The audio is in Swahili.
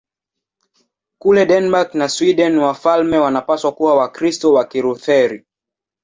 Kule Denmark na Sweden wafalme wanapaswa kuwa Wakristo wa Kilutheri.